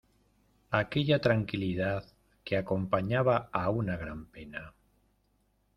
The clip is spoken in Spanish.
Aquella tranquilidad que acompañaba a una gran pena.